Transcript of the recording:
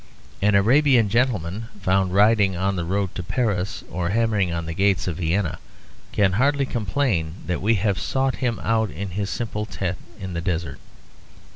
An Arabian gentleman found riding on the road to Paris or hammering on the gates of Vienna can hardly complain that we have sought him out in his simple tent in the desert.